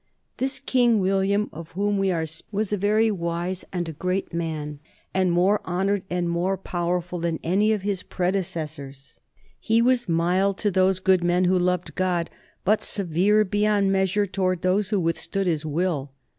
This king William, of whom we are speaking, was a very wise and a great man, and more honoured and more powerful than any of his predecessors. He was mild to those good men who loved God, but severe beyond measure towards those who withstood his will.